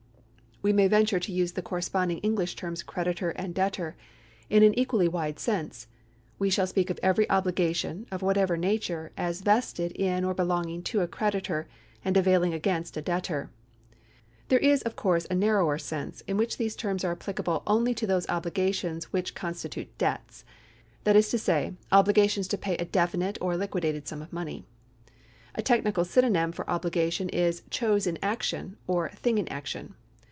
We may venture to use the corresponding English terms creditor and debtor in an equally wide sense. We shall speak of every obligation, of whatever nature, as vested in or belonging to a creditor, and availing against a debtor. There is, of coiu:se, a narrower sense, in which these terms are applicable only to those obligations which con stitute debts ; that is to say, obligations to pay a definite or liquidated sum of money. A technical synonym for obligation is chose in action or tJmig in action.